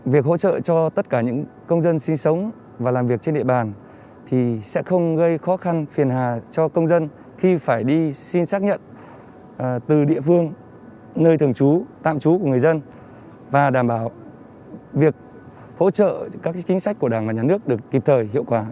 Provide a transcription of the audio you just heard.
việc hỗ trợ cho tất cả những công dân sinh sống và làm việc trên địa bàn thì sẽ không gây khó khăn phiền hà cho công dân khi phải đi xin xác nhận từ địa phương nơi thường trú tạm trú của người dân và đảm bảo việc hỗ trợ các chính sách của đảng và nhà nước được kịp thời hiệu quả